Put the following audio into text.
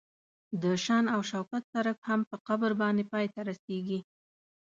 د شان او شوکت سړک هم په قبر باندې پای ته رسیږي.